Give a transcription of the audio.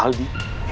aura itu ma